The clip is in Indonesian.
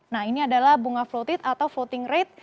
nah ini adalah bunga floating rate